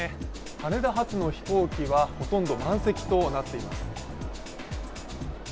羽田発の飛行機はほとんど満席となっています。